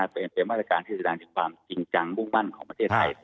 เตรียมมาตรการที่แสดงถึงความจริงจังมุ่งมั่นของประเทศไทย